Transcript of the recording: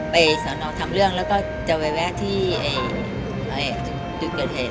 ไปสนทำเรื่องแล้วก็จะแวะที่อยู่เกิดเหตุ